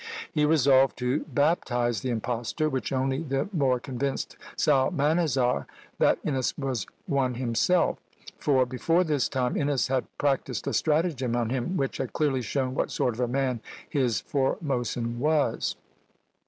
He resolved to baptize the impostor which only the more convinced Psalmanazar that Innes was one himself; for before this time Innes had practised a stratagem on him which had clearly shown what sort of a man his Formosan was.